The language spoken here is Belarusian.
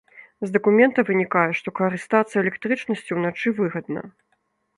З дакумента вынікае, што карыстацца электрычнасцю ўначы выгадна.